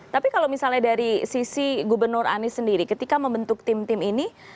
tapi kalau misalnya dari sisi gubernur anies sendiri ketika membentuk tim tim ini